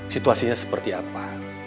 situasinya seperti apa